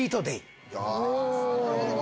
なるほど。